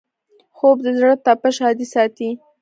خوب د زړه تپش عادي ساتي